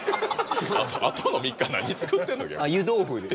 あとの３日何作ってんの？